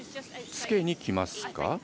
つけにきますか？